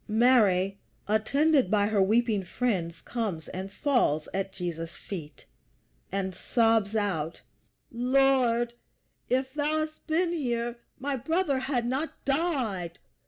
Mary, attended by her weeping friends, comes and falls at Jesus' feet, and sobs out: "Lord, if thou hadst been here my brother had not died!"